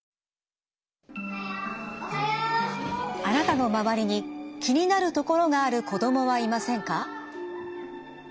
あなたの周りに気になるところがある子どもはいませんか？